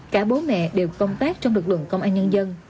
cả bố mẹ đều công tác trong lực lượng công an nhân dân